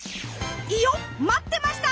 いよっ待ってました！